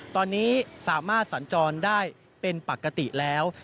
ตอนนี้สามารถสัญจรได้เป็นปกติแล้ว